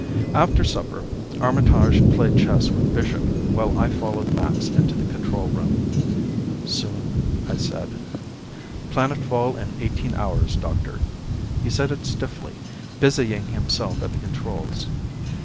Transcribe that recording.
After supper, Armitage played chess with Bishop while I followed Max into the control room. "Soon?" I said. "Planetfall in eighteen hours, Doctor." He said it stiffly, busying himself at the controls.